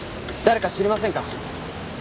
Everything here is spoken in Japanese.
誰か知りませんか？